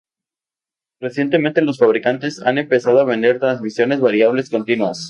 Recientemente los fabricantes han empezado a vender transmisiones variables continuas.